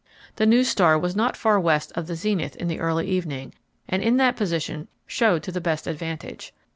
The new star was not far west of the zenith in the early evening, and in that position showed to the best advantage.